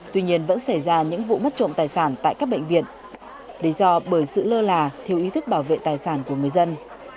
tuy nhiên vẫn xảy ra những vụ mất trộm tài sản tại các bệnh viện lý do bởi sự lơ là thiếu ý thức bảo vệ tài sản của người dân